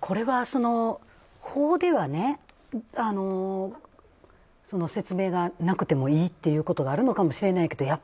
これは、法では説明がなくてもいいということがあるのかもしれないけど